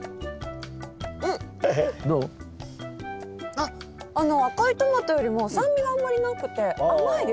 あっ赤いトマトよりも酸味があんまりなくて甘いですね。